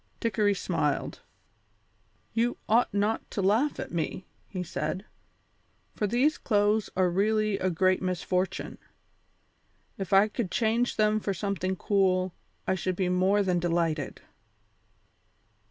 Dickory smiled. "You ought not to laugh at me," he said, "for these clothes are really a great misfortune. If I could change them for something cool I should be more than delighted."